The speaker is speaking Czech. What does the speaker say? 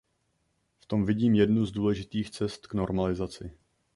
V tom vidím jednu z důležitých cest k normalizaci.